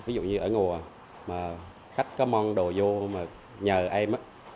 ví dụ như ở ngùa mà khách có mon đồ vô mà nhờ em á